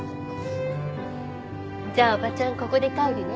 じゃおばちゃんここで帰るね。